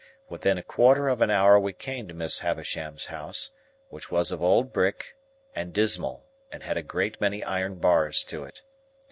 Within a quarter of an hour we came to Miss Havisham's house, which was of old brick, and dismal, and had a great many iron bars to it.